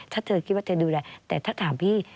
ถ้าเธอคิดว่าเธอดูแลแต่ถ้าถามพี่